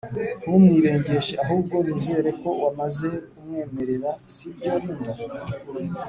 Ntumwirengeshe ahubwo nizere ko wamaze kumwemerera Sibyo Linda